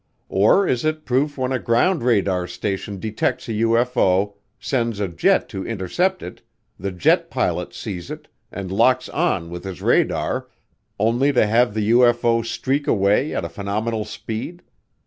Or is it proof when a ground radar station detects a UFO, sends a jet to intercept it, the jet pilot sees it, and locks on with his radar, only to have the UFO streak away at a phenomenal speed?